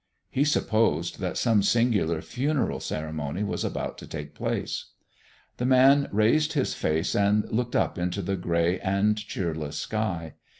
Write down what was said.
He supposed that some singular funeral ceremony was about to take place. The Man raised His face and looked up into the gray and cheerless sky.